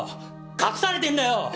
隠されてんだよ！